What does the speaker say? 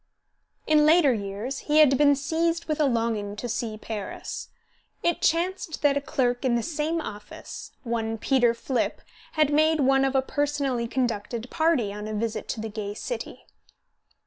In later years he had been seized with a longing to see Paris. It chanced that a clerk in the same office, one Peter Flipp, had made one of a personally conducted party on a visit to the gay city.